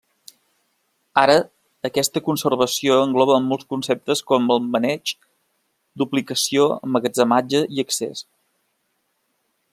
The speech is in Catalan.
Ara, aquesta conservació engloba molts conceptes com el maneig, duplicació, emmagatzematge i accés.